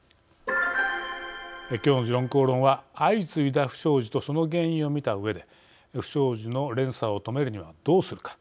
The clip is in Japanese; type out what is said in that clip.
きょうの「時論公論」は相次いだ不祥事とその原因を見たうえで不祥事の連鎖を止めるにはどうするか。